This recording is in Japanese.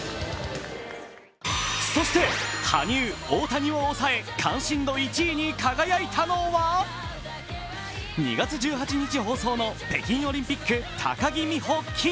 そして羽生、大谷を抑え関心度１位に輝いたのは２月１８日放送の北京オリンピック、高木美帆、金。